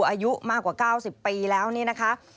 อายุมากกว่า๙๐ปีแล้วนี่นะคะ